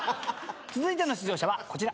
続いての出場者はこちら。